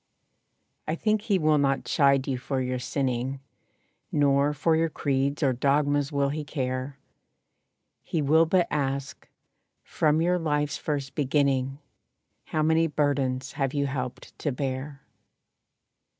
I think he will not chide you for your sinning, Nor for your creeds or dogmas will he care; He will but ask, "From your life's first beginning How many burdens have you helped to bear?"